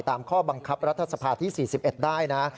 ตามข้อบังคับรัฐสภาที่๔๑ได้นะ